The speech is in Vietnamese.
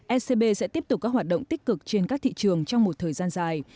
ecb sẽ tiếp tục các hoạt động tích cực trên các thị trường trong một thời gian dài